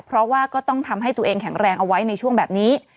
เพราะว่าก็ต้องทำให้ตัวเองแข็งแรงเอาไว้ในช่วงแบบนี้